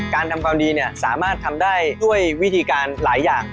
ทำความดีสามารถทำได้ด้วยวิธีการหลายอย่าง